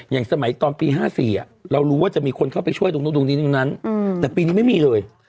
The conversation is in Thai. อย่างสมัยตอนปี๕๔เรารู้ว่าจะมีคนเข้าไปช่วยตรงนั้นแต่ปีนี้ไม่มีเลย